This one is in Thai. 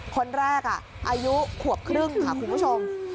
คนแรกอายุขวบครึ่งค่ะคุณผู้ชม